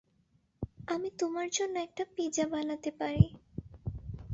আমি তোমার জন্য একটা পিজ্জা বানাতে পরি।